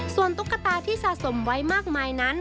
ส่วนตุ๊กตาที่สะสมไว้มากมายนั้น